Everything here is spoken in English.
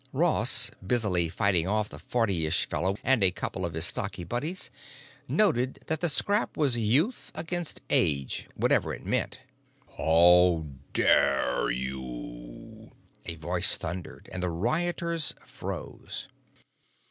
Ross, busily fighting off the fortyish fellow and a couple of his stocky buddies, noted only that the scrap was youth against age, whatever it meant. "How dare you?" a voice thundered, and the rioters froze.